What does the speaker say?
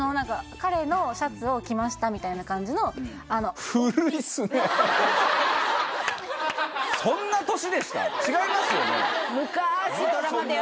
彼のシャツを着ましたみたいな感じの違いますよね？